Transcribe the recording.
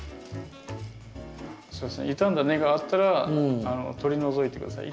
そうですね傷んだ根があったら取り除いて下さい。